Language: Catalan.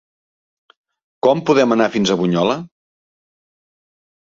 Com podem anar fins a Bunyola?